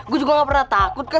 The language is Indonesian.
gue juga gak pernah takut kan